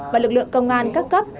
và lực lượng công an các cấp